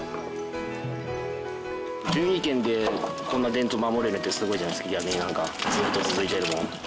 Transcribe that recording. １２軒でこんな伝統を守れるってすごいじゃないですか逆になんか。ずっと続いているのも。